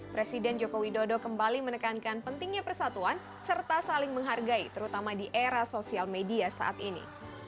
presiden jokowi dodo kembali menekankan pentingnya persatuan serta saling menghargai terutama di era sosial media saat ini